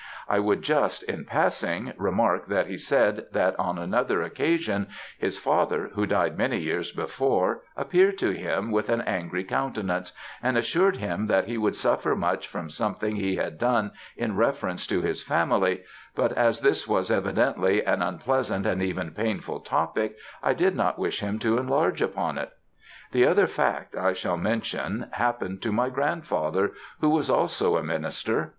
I would just, in passing, remark that he said that on another occasion, his father who died many years before appeared to him with an angry countenance, and assured him that he would suffer much from something he had done in reference to his family, but as this was evidently an unpleasant and even painful topic I did not wish him to enlarge upon it. The other fact I shall mention, happened to my grandfather who was also a minister.